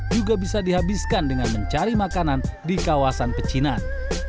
juga bisa dihabiskan dengan mencari makanan di kawasan pecinan